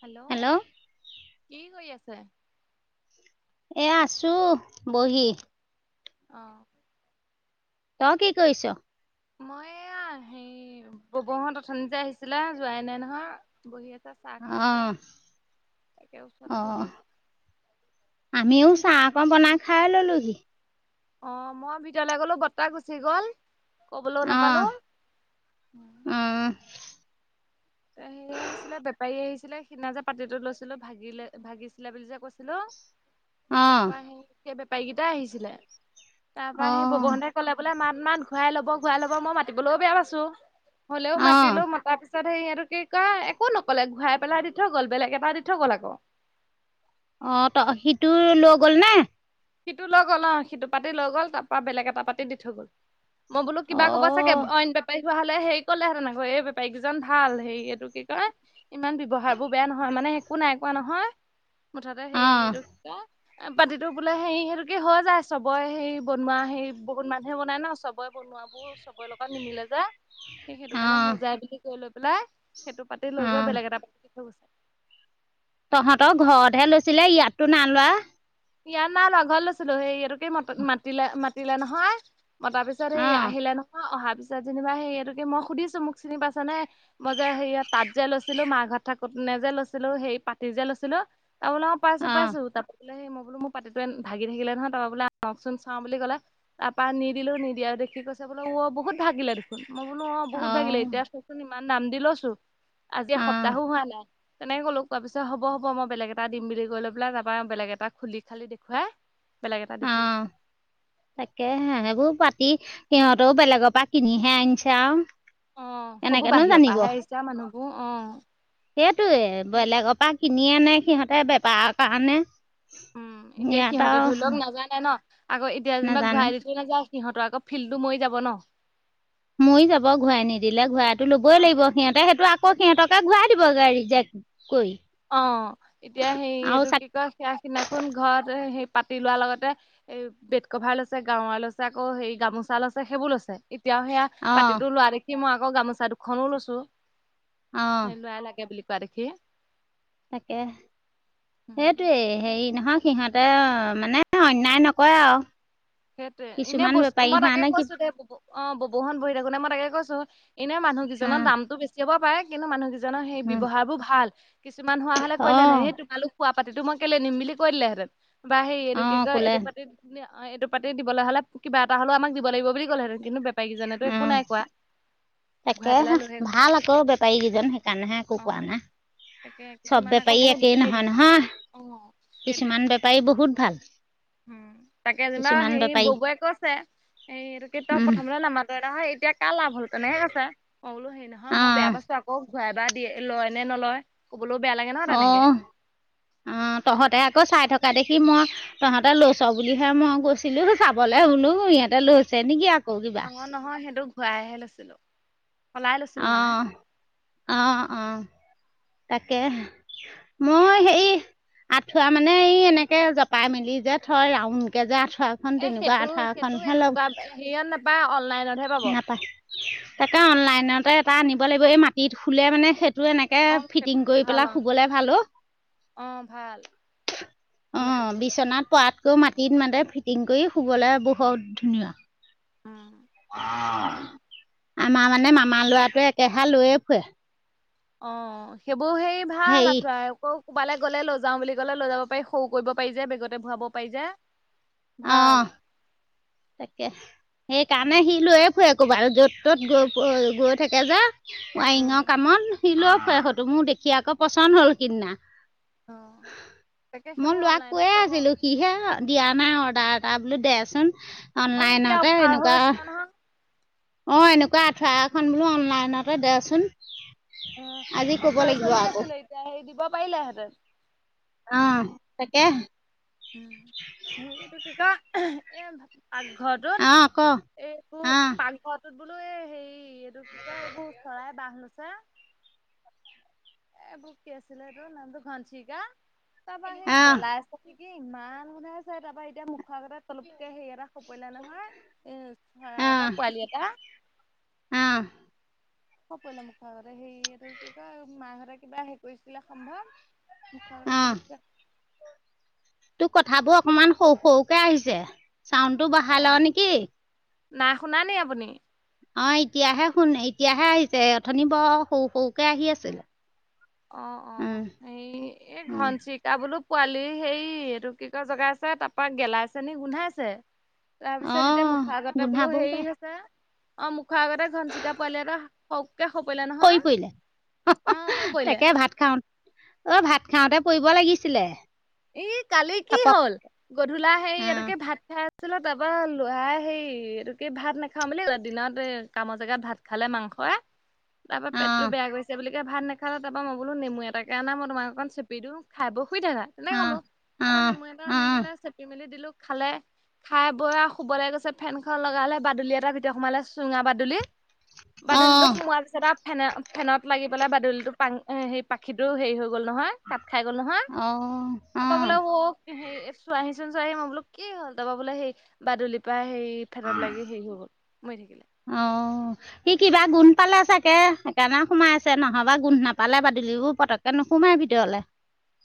Hello কি কৰি আছে? এয়া আছো বহি। অঁহ! তই কি কৈয়িছ? মই এইয়াহ হেয়ি বৌবৌহত অথনিতে আহিছিলে যোৱাই নাই নহয়, বহি আছো। তই চাহ খাছা, অঁ একে ওচতে বহি অঁ আছো। চা অকন বনাই খাই ললোহি। অঁ! মই ভিতলে গলো বততা গুচি গ'ল। কবলো অঁ নাপালো! অঁ সেই আহিছিলে বেপাৰী আহিছিলে সিদিনা যে পাতিটো লৈছিলো ভাগিলে ভাগিছিলে বুলি যে কৈছিলো! তাৰ অঁ পা সেই সেই বেপাৰী গিতা আহিছিলে তাৰ পা সেই অঁ বৌবৌন দাই কলে বোলে মাত! ইমান ঘূৰাই লব ঘূৰাই লব মই মাতিবলৈও বেয়া পাইছো, হ'লেও অঁ মাতিলো মতাৰ পিছত সেই হেতু! কি ক একো নকলে, ঘূৰাই পেলাই দি থৈ গল বেলেগ এটা দি থৈ গল আকৌ। অ ত সিটো লৈ গ'ল নে? সিটো লৈ গ'ল অঁ সিটো পাতি লৈ গ'ল তাপা বেলেগ এটা পাতি দি থৈ গ'ল। মই বোলো কিবা ক'ব চাগে, অঁ অইন বেপাৰী! থোৱা হ'লে হেৰি কলে হেতেন আক এই বেপাৰীকেইজন ভাল। হেৰি এইটো কি কয় ইমান ব্যৱহাৰ বোৰ বেয়া নহয় মানে, মানে একো নাই কোৱা নহয় মুঠতে হেৰি অঁ এইটো কিয়া এ পাতিতো! বোলে হেই সেতুকি হয় যায় চবয়ে সেই বনোৱা হেই বহুত মানুহে বনাই ন চবৰে বনোৱাবোৰ চব! ক লগত নিমিলে যে। সে সেইটো কাৰণে অঁ হৈ যায় বুলি কৈ লৈ পেলাই সেইটো পাতি লৈ গৈ অঁ বেলেগ এটা পাতি দি থয় গৈছে। তহঁতৰ ঘৰতহে লৈছিলে, ইয়াততো নাইলোৱা। ইয়াত নাই লোৱা ঘৰত লৈছিলো, সেই এটোকি মাতিলে মাতিলে নহয়। অ তাৰপিছত সেই অঁ আহিলে নহয়, অহা পিছত যেনিবা সেইতুকে মই সুধিছো মোক চিনি পাইছা নে মই যে সেৰি তাত যে লৈছিলো মা ঘৰত থাকোত! নে যে লৈছিলো সেই পাতি যে লৈছিলো, তাবোলে অঁ পাইছো পাইছো। তাপা বুলে সেই মই বোলো মো পাতিটো এন ভাগি থাকিলে নহয়, তাপা বোলে আহনকচোন চাওঁ বুলি ক'লে তাপা নিদিলো নিদিয়া দেখি কৈছে, বোল ৱ বহুত ভাগিলে দেখোন! মই বোলো অঁ বহুত ভাগিলে এতিয়া চকচোন ইমান দাম দি লৈছো আজি অঁ এসপ্তাহো হোৱা নাই! তেনেকে ক'লো কোৱা পিছত হব হব, মই বেলেগ এটা দিম বুলি কৈ লৈ পেলাই তাপা বেলেগ এটা খুলি খালি দেখুৱাই বেলেগ এটা দি থৈ গৈছে। অঁ তাকেহে সেইবোৰ পাতি! সিহঁতো বেলেগ পা কিনিহে আনিছা আও। অ সবো বাহিৰৰ পা হে আহিছে আও মানুহবো অ! সেইটোয়ে সেইটোৱে। বেলেগৰ পৰা কিনিয়ে আনে সিহঁতে বেপাৰৰ কাৰণে। উম, এতিয়া সিয়াত সিহঁতে ধৰি লওক আও নাজানে ন আকৌ এতিয়া যেনিবা ঘূৰাই দিথৈ নাযায় সিহঁতৰ আকৌ ফিলটো ময়ি যাব ন। ময়ি যাব ঘূৰাই নিদিলে ঘূৰাইটো লবই লাগিব, অ', সিহঁতে সেইটো আকৌ সিহঁতকে ঘূৰাই দিব গে ৰিজেক। অ এতিয়া সেই আৰু এইটো চাক কি কয় সেয়া সিনাখন ঘৰত এ সেই পাতি লোৱা লগতে এই বেড কভাৰ লৈছে গাঁৱা লৈছে আকৌ হেৰি গামোচা লৈছে সেইবোৰ লৈছে। এতিয়াও সেয়া অঁ পাতিটো লোৱা দেখি মই আকৌ গামোচা দুখনো লৈছো। অঁ এই লোৱাই লাগে বুলি কোৱা দেখি। তাকেহ! উম, সেইটোৱেই হেৰি, নহয় সিহঁতে মানে অন্যায় নকৰে আও। সেইটোৱে এনে বস্তু মই তাকে কৈছো দে বুবু অঁ ববুহত বহি থাকোতে মই তাকে কৈছো এনে মানুহগিজনৰ দামটো বেছি হব পাৰে কিন্তু মানুহগিজন সে ব্যৱহাৰবোৰ ভাল। কিছুমান হোৱা হলে কৰিলেহেতেন সেই অঁ তোমালোক খোৱা পাতিটো মই কেলে নিম বুলি কৈ দিলেহেঁতেন। বা সেই এইটো কি অঁ কয় কোলে এটো অ', পাতিত নে আ পাতি দিবলে হ'লে কিবা এটা হ'লও আমাক দিব লাগিব বুলি কলেহেঁতেন কিন্তু বেপাৰীগিজনেতো একো নাই কোৱা। ঘূৰাই পেলাই তাকেহে, লৈহে গৈছে ভাল আকৌ বেপাৰী গিজন সেইকাৰণেহে একো অ কোৱা নাই। তাকে চব কিছুমান আকৌ বেপাৰী বহুত একেই হেৰি নহয় থাকে নহয় অ সেইটোৱে কিছুমান বেপাৰী বহুত ভাল। উম তাকে আজি কিছুমান হেৰি বেপাৰী ববৈৱে কৈছে হেৰী এইটো কি তই প্ৰথমতে নামাতই নহয় এতিয়া কা লাভ হল তেনেকে কৈছে মই বোলো হেৰি নহয় মই বেয়া অঁ পাইছোঁ আকৌ ঘূৰাই বা দিয়ে লয় নে নলয়। ক'বলৈও বেয়া লাগে নহয় অ তেনেকে অ তহঁতে আকৌ চাই থাক- দেখি মই তহঁতে লৈছ বুলিহে মই গৈছিলো চাবলৈ শুনো ইিহঁতে লৈছে নেকি আকৌ কিবা অ নহয় সেইটো ঘূৰাইহে লৈছিলো। সলাই লৈছিলো অ মানে। অ অ তাকে মই সেই আঁঠুৱা মানে এই এনেকে জপাই মেলি যে থয় ৰাউন কে যে আঁঠু- আঠুৱা খন এ তেনেকুৱা সেইটো সেইটো আঠুৱাখনহে লম। এনেকুৱা হেৰিয়ত নাপায় অনলাইনতহে পাব নাপায় তাকে অনলাইনতে এটা আনিব লাগিব এই মাটিত খুলে মানে সেইট- টো এনেকে অ', ফিটিং সেইটো কৰি ভাল পেলাই অ', শুবলে ভালো। অ', ভাল অ মাতি থলে বিচনাত পৰাত মাটিত মাতে ফিটিং কৰি শুবলৈ বহুত ধুনীয়া। উম, তাকে আমাৰ মানে মামা লৰাটোৱে একেহাল লৈয়ে ফুৰে অ সেইবোৰ সেই ভাল হেৰি আঠুৱা আকৌ কবালে গ'লে লৈ যাওঁ বুলি গলে লৈ যাব পাৰি সৰু কৰিব পাৰি যে বেগতে ভৰাব পাৰি যে অ ভাল তাকে সেইকাৰণে সি লৈয়ে ফুৰে কবাত য'ত ত'ত গৈ গৈ থাকে যে ৱাৰিঙৰ উম, কামত সি লয় ফুৰে সটো মোৰ দেখিয়ে আক পচন্দ হ'ল সিদিনা অ তাকে মই সেইবোৰ লৰাক অনলাইনত কৈয়ে পাব আছিলো অ সিহে দিয়া নাই অৰ- তাৰ এটা বোলো দেচোন এতিয়া অনলাইনতে অফাৰ হৈ এনেকুৱা আছিলে নহয় অ এনেকুৱা আঠুৱা এখন বোলো অনলাইনতে দেচোন উ আজি ক'ব অফাৰ লাগিব চলি আকৌ আছিলে এতিয়া হেৰি দিব পাৰিলে হেঁতেন অ তাকে উম সেয়টো কি কয় অঁ ক পাকঘৰটোত এইবো আহ পাকঘৰত টোত বোলো এই হেৰি এইটো কি কয় এইবোৰ চৰাই বাঁহ লৈছে। এবোক কি আছিলে তোৰ নামটো ঘনচিকা তাৰপৰা সেই আহ গেলা- কি ইমান গুন্ধাইছে তাপা এতিয়া মু- মুখৰ আগতে তলপকে হেৰি এটা হৰি পৰিলে নহয় উ চৰাই এটা পোৱালি এটা অ। ক পৰিলে মুখৰ আগতে সেই এইটো কি কয় মাহঁতে কিবা হেৰি কৰিছিলে সম্ভৱ? মুখাৰ আগতে আহ তুলোপকে তোৰ কথাবোৰ অকনমান সৰু সৰুকে আহিছে। চাউডটো বঢ়াই ল নেকি? নাইশুনা নি আপুনি? অ এতিয়াহে শুন এতিয়াহে আহিছে অথনি বৰ সৰু সৰুকে আহি আছিলে। অ অ উম এই এই উম ঘন চিৰিকা বোলো পোৱালি হেৰি এইটো কি কয় জগাইছে তাপা গেলাইছেনি গোন্ধাইছে। তাৰপিছত এতিয়া আহ মুখৰ আগতে বোলো গোন্ধাবও হেৰি পাই হৈছে। অ মুখৰ আগতে ঘনচিৰিকা পোৱালি এটা হওঁককে হৰি পৰিলে সৰি নহয়। পৰিলে পৰিলে তাকে ভাত খাওঁ, অ ভাত খাওঁতে পৰিব লাগিছিলে। এ কালি কি থাপক হ'ল গধূলা সেই আহ ইয়াতকে ভাত খাই ছিলো তাৰপৰা লৰাই হেৰি এইটো কি ভাত নাখাওঁ বুলি দিনত এ কামৰ জেগাত ভাত খালে মাংসই। তাপা পেটতটো আহ বেয়া কৰিছে বুলি ভাত নাখালে তাপা মই বোলো নেমু এটাকে আনা মই অকন চেপি দিও খাই বৈ শুই থাকা। তেনেকে আহ কলো। তাৰপৰা নেমু এটা আনি আহ দিলে চেপি মেলি দিলো খালে। খাই বই শুবলে গৈছে, ফেনখন লগালে বাদুলি এটা ভিতৰত সোমালে চুঙা বাদুলি। আহ বাদুলিটো আহ সোমোৱা পিছত আও ফেন ফেনত লাগি বোলে বাদুলীটো পাং পাখিটো হেৰি হৈ গ'ল নহয় কাট খাই গ'ল নহয়। আহ তাৰপা আহ বোলে হৌক হেৰি চোৱহিচোন চোৱাহিচোন মই বোলো কি হ'ল তাৰাপা বোলে হেই বাদুলিৰ পৰা হেৰি ফেনত লাগি হৈ গ'ল মৰি অহ সি কিবা থাকিলে। গুণ পালে চাগে। সেইকাৰণে সোমাই আছে নহ'বা গোন্ধ নাপালে বাদুলিবোৰ পতককে নোসোমাই ভিতৰলে।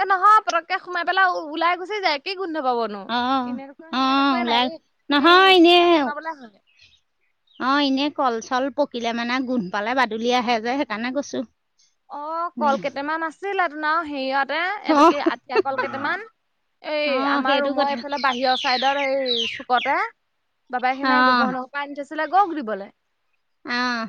এ নহয় পতকে সোমাই পেলাই উ ওলাই গুচি যায়। কি গোন্ধ পাবনো অ', এনে সেয়াত অ', একোৱে নাই ওলাই স সোমাবলে হয় অহ এনে কল চল পকিলে মানে গোন্ধ পালে বাদুলি আহে যে সেইকাৰণে কৈছো। অ নে কল কেইটামান আছিলে টোন আও, এই ন হেৰিয়তে এইটো অ', কি আটিয়া কল কেইটামান। এই অ', আমাৰ সেইটো ৰুমৰ কথা এইফালে বাহিৰৰ চাইদৰ এই চুকতে। বাবাই খিনাই বব অ', পৰা আনি থৈছিলে গৰুক দিবলে। অহ।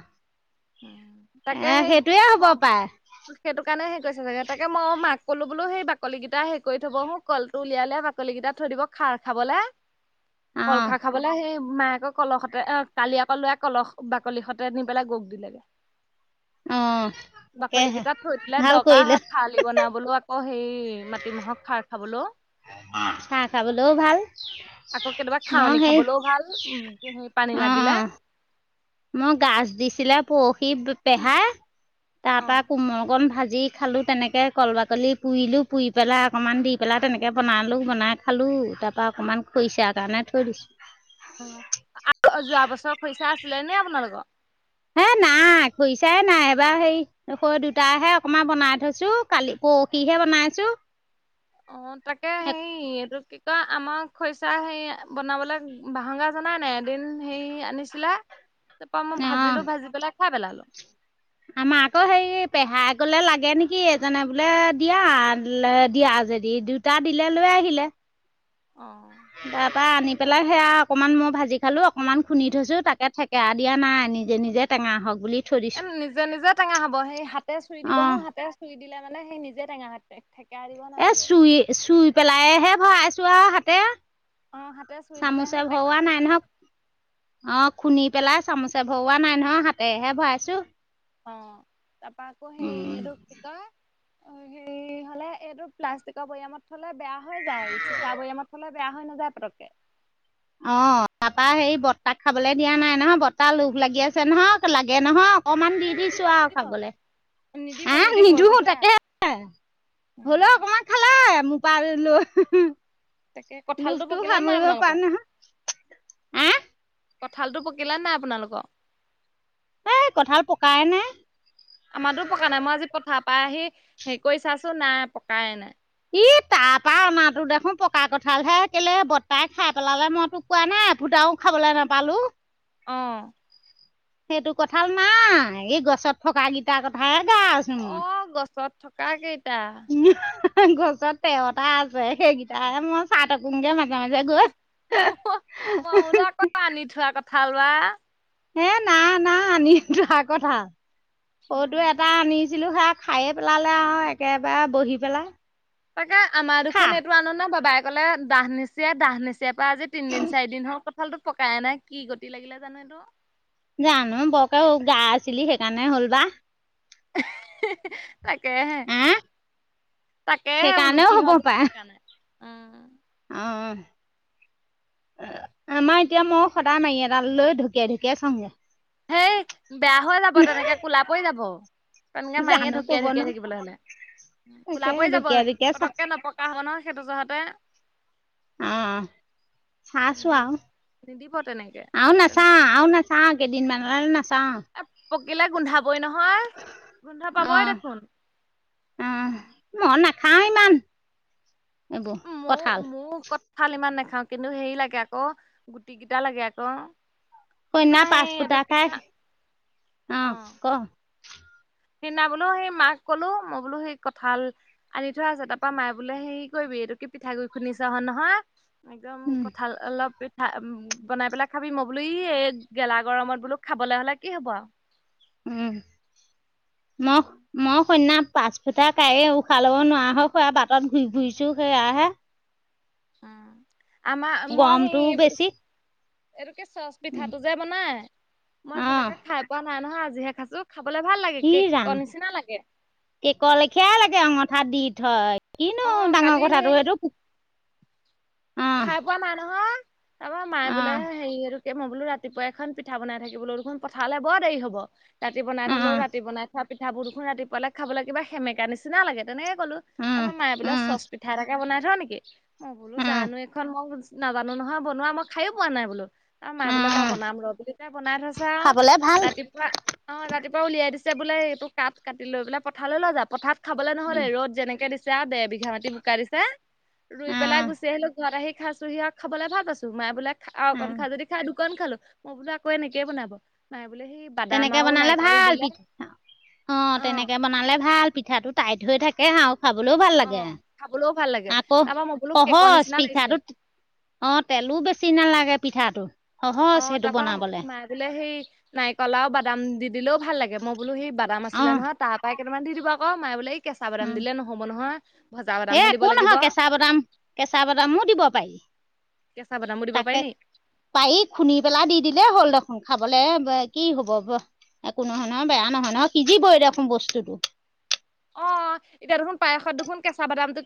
তাকে এ সেই সেইটোৱে মই সেইটোক সেইকাৰণে হেৰি কৈছে চাগে তাকে মৌ মই মাক কলো বোলোই বাকলি কেইটা হেৰি থবহো কলটো উলিয়াললে বাকলি কেইটা থৈ দিব খাৰ খাবলে কল অ', খাৰ খাবলে, সেই মায়েক কলৰ সতে কালি আকৌ ল কলহ বাকলি হঁতে নি পেলাই গৰু দিলেগে। অ', বাকলি তাকেহে কেইটাত থৈ দিলে ভাল দৰকাৰ কৰিলে হয় খালি বনাবলেও। অ সেই মাটিমাহক খাৰ খাবলো। হ চাহ খাবলৈও ভাল। আকৌ কেতিয়াবা খাওঁ মই নি সেই খাবলৈও ভাল স পানী লাগিলে। অ', মই গাজ দিছিলে পৰহি পেহাই, তাৰ অ। পৰা কোমল কন ভাজি যি খালোঁ তেনেকে কল বাকলি পুৰিলোঁ পুৰি পেলাই অকণমান দি পেলাই তেনেকে বনালোঁ বনাই খালোঁ। উ তাৰ পৰা অকমান খৰিছা কাৰণে থৈ দিছো। অহ আৰু যোৱা বছৰ খৰিচা আছিলে নে আপোনালোকৰ? হে নাই খৰিছ নাই এবাৰ হেৰি হে দুটাহে অকনমান বনাই থৈছো। কালি পৰহিহে বনাই [unintelligible] অ তাকে সেই এইটো তই আমাক খৰিচা হেৰি বনাবলে বাঁহৰ গাজ অনাই নাই। এদিন হেৰি আনিছিলে তাৰপা মই অঁ ভাজিলো ভাজি পেলাই খাই পেলালো। আমাৰ আকৌ হে পেহাই গলে লাগে নেকি এজনে বোলে দিয়া দিয়া। যদি দুটা দিলে লৈ আহিলে। অ তাৰ পৰা আনি তাকে পেলাই সেয়া অকমান মই ভাজি খালো। অকণমান খুন্দি থৈছোঁ তাকে ঠেকেৰা দিয়া নাই নিজে নিজে টেঙা হওঁক বুলি থৈ এ দিছোঁ নিজে নিজে টেঙা হ'ব সেই হাতে চুই দিব অঁ হো হাতে চুই দিলে মানে সেই নিজে টেঙা থাকে। এ চুই চুই পেলাইহে ভৰাইছো আও হাতে। অ হাতে চুই দিলে চামুচে হেনো টেঙা ভুৱা নাই সোনকালে নহয় হয়। অ খুনি পেলাই চামুচে ভৰৱোৱা নাই নহয় হাতেহে ভৰাইছো। অ তাৰপা আকৌ সেই এইটো কি কয় অ হেৰি হলে এইটো প্লাষ্টিকৰ বৈয়ামত থলে বেয়া হৈ যায়। চিচা বৈয়ামত থলে বেয়া হৈ নাযায় পতককে। অ তাৰাপা হেৰি বৰ্তাক খাবলে দিয়া নাই নহয় বৰ্তাহ লোভ লাগি আছে নহক লাগে নহক। অকমান দি এই নিদিব দিছো আও নিদিব খাবলে। নিদিব হে নিদিব নিদো এইবোৰ বেয়া তাকে, উম হলো একমান খালে। মোক পাৰ লো হুম তাকে কঁঠালটো লোভটো পকিলে নাই সামৰিব পৰা আপোনালোকৰ নহয়, এ কঁঠালতটো পকিলে নে নাই আপোনালোকৰ? এ কঁঠাল পকাই নাই। সেই কৰি চাচোন নাই পকাই নাই। কি তাৰ পা মাহতো দেখোন পকা কঠালহে কেলে বৰ্তাই খাই পেলালে মই তোক কোৱা নাই ফুটাও খাবলে নাপালোঁ। অ। সেইটো কঠাল নাই, এই গছত থকা গিটাৰ কথাই আছো অ মই গছত থকা কেইটা। [unintelligible] গছত তেৰটা আছে সেইকেইটাই মই চাই থাকোগে মাজে মাজে গৈ। অহ মই বোলো আকৌ আনি থোৱা কঠাল বা। হে নাই নাই মিছা কথা, কৰ্দৈ এটা আনিছিলো হক খায়ে পেলালে আও একেবাৰে বহি পেলাই। তাকে আমাৰ খা দুখোন এইটো আন নে বাবাই কলে দাহ নিচিয়ে দাহ নিচিয়াৰ পৰা আজি তিন দিন চাৰি দিন হল কঁঠাল টো পকাইে নাই কি গতি লাগিলে জানো। [inaudible] জানো বৰকে উগা আছিলি সেইকাৰণে হ'ল বা। [unintelligible] তাকেহে আহ তাকেহে বোলো সেইকাৰণেও কি হ'ব সজা পাৰে থকা নাই। অ অ। আমাৰ এতিয়া মই সদায় মাৰি এডাল লৈ ঢুকিয়াই ঢুকিয়াই চাংগে। হেই বেয়া হৈ যাব তেনেকে কোলা পৰি যাব। তেনেকে মায়ীয়ে জানো ঢুকিয়াই ক'ব নো ঢুকিয়াই থাকিব হ'লে। কোলা তাকে পৰি যাব ঢুকিয়াই ঢুকিয়াই চা পতককে নপকা হব ন সেইটো জহতহে। অহ অহা। চাইছো সেই আও নিদিব তেনেকে আৰু তেনেকে নাচাও দিলে আৰু বেয়া নাচাও। কিমান ল'লে নাচাও আও। এ পকিলে গোন্ধাবই নহয় গোন্ধ পাবই অঁ দেখোন। খাওঁ ইমান এইবো কঁঠাল। ভাল ইমান নাখাও কিন্তু হেৰি লাগে আকৌ গুটি কিটা লাগে আক। কিনা সন্ধ্যা পাঁচ সেই এইটো ফুটা কি খাই কয় অঁ অহ। ক সেইদিনা বোলো সেই মাক কলো মই বোলো সেই কঁঠাল আনি থোৱা আছে তাৰ পৰা মায়ে বোলে হেৰী কৰিবি এইটোকে পিঠাগুড়ি খুন্দি চাও নহয় নে নহয় একদম কঁঠাল অলপ উ বনাই পেলাই খাবি মই বোলো ই এ গেলা গৰমত বোলো খাবলে হলে কি হ'ব আও। উম মই উম। মই কন্যা পাঁচ ফুটা কাড়ি উশাহ ল'ব নোৱাৰা খুৰা বাটত ঘূৰি ঘুৰিছো সেয়াহে। উম আমা মই হেই গৰমটোও বেছি এইটোকে চচ পিঠাটো যে বনাই মই অঁ আজিলৈকে খাই পোৱা নাই নহয় আজিহে খাইছো। খাবলে ভাল লাগে ই ৰাম কেকৰ নিচিনা লাগে কেক লেখিয়াই লাগে অঙঠাত দি। হয় কিনো অ ডাঙৰ কালি কথাটো সেই এইটো। খাই পোৱা নাই নহয় তাৰপৰা মায়ে বোলে অঁ হেৰি এইটো এ মই বোলো ৰাতিপুৱা এখন পিঠা বনাই থাকিবলে বোলো দেখোন পথাৰলে বৰ দেৰি হ'ব। ৰাতি বনাই থ'লেও ৰাতি বনাই থোৱা পিঠাবোৰ দেখোন ৰাতিপুৱালে খাবলৈ কিবা সেমেকা নিচিনা লাগে তেনে কলো তাৰ মায় বোলে চচ পিঠা এটাকে বনাই থও নেকি মই বোলো জানো। মই এইখন নাজানো নহয় বনোৱা মই খায়ো পোৱা নাই বোলো। অ মাই বোলে মই অঁ বনাম ৰব তাই বনাই থৈছে আৰু খাবলে ভাল ৰাতিপুৱা অ ৰাতিপুৱা উলিয়াই দিছে বোলে এইটো কাট কাটি লৈ বোলে পথাললৈ লৈ যা পথাত খাবলৈ নহলে ৰ'দ যেনেকে দি যা দেৰ বিঘা মাটি বোকা দিছা ৰুই পেলাই আহ গুচি আহিলো। ঘৰত আহি খাইছোহি আৰু খাবলৈ ভাল পাইছো মায়ে বোলে খা আৰু অকন আহ খাও যদি খা। আৰু অকন খালো মই বোলো আকৌ এনেকে বনাব নাই তেনেকে বনালে ভাল পিঠা অ তেনেকে বনালে ভাল। পিঠাটো টাইট হৈ থাকে হাও খাবলৈও ভাল অ লাগে খাবলৈও ভাল লাগে আকৌ তাৰপা মই বোলো কেকৰ সহজ নিচিনা লাগিছে পিঠাটো। অ তেলো বেছি নালাগে পিঠাটো। সহজ অ সেইটো তাৰ পৰা বনাবলে মায়ে বোলে সেই নাৰিকল আৰু বাদাম দি দিলেও ভাল লাগে মই বোলো সেই বাদাম অ আছিলে নহয় তাৰ পৰাই কেইটামান দি দিবা আক মায়ে বোলে এই কেঁচা বাদাম উম, দিলে নহ'ব নহয়। ভজা এ বাদামহে দিব একো লাগিব নহয় কেঁচা বাদাম কেঁচা বাদামো দিব পাৰি কেঁচা বাদামো দিব পাৰি তাকে নি পায়ি খুন্দি পেলাই দি দি লে হ'ল দেখোন খাবলে কি হ'ব একো নহয় ন বেয়া নহয় ন সিজিব এ দেখোন বস্তুতটো অ এতিয়া দেখোন পায়সত দেখোন কেঁচা বাদামটো